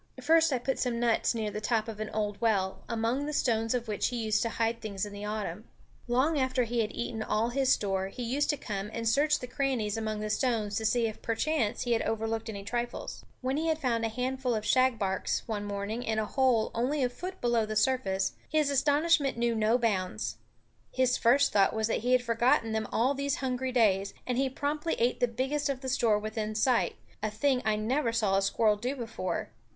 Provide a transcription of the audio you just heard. First I put some nuts near the top of an old well, among the stones of which he used to hide things in the autumn. Long after he had eaten all his store he used to come and search the crannies among the stones to see if perchance he had overlooked any trifles. When he found a handful of shagbarks, one morning, in a hole only a foot below the surface, his astonishment knew no bounds. His first thought was that he had forgotten them all these hungry days, and he promptly ate the biggest of the store within sight, a thing I never saw a squirrel do before.